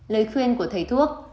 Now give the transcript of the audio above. lời khuyên của thầy thuốc